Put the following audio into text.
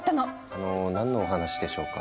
あの何のお話でしょうか？